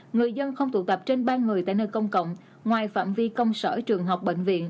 người dân không tụ tập trên ba người tại nơi công cộng ngoài phạm vi công sở trường học bệnh viện